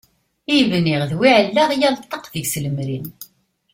I bniɣ d wi ɛellaɣ, yal ṭṭaq deg-s lemri.